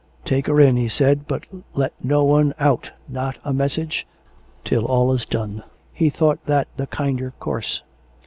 " Take her in," he said ;" but let no one out, nor a mes sage, till all is done." (He thought that the kinder course.)